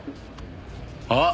あっ。